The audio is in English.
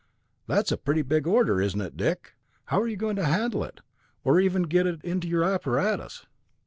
"That's a pretty big order, isn't it, Dick? How are you going to handle it, or even get it into your apparatus?"